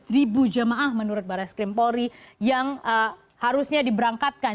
tujuh puluh dua ribu jamaah menurut barat skrim polri yang harusnya diberangkatkan